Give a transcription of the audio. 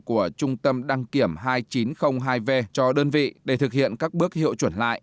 của trung tâm đăng kiểm hai nghìn chín trăm linh hai v cho đơn vị để thực hiện các bước hiệu chuẩn lại